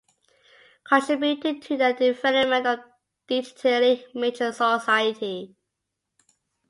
Contributing to the development of a digitally mature society.